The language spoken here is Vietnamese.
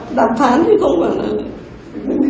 để đảm phán chứ không phải là